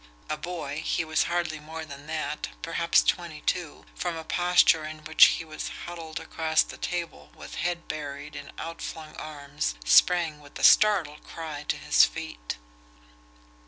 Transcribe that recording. A boy, he was hardly more than that, perhaps twenty two, from a posture in which he was huddled across the table with head buried in out flung arms, sprang with a startled cry to his feet.